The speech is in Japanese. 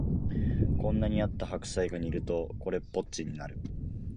こんなにあった白菜が煮るとこれっぽっちになる